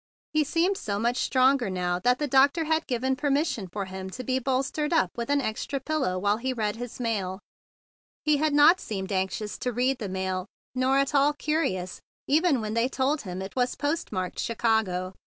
He seemed so much stronger that the doc¬ tor had given permission for him to be bolstered up with an extra pillow while he read his mail. He had not seemed anxious to read the mail, nor at all curious, even when 148 THE BIG BLUE SOLDIER they told him it was postmarked Chi¬ cago.